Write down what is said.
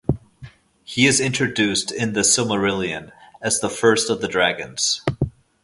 He is introduced in "The Silmarillion" as the first of the Dragons.